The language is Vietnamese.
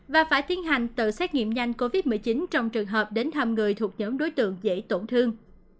và phải tiến hành tự xét nghiệm nhanh covid một mươi chín trong trường hợp đến thăm người thuộc nhóm đối tượng dễ tổn thương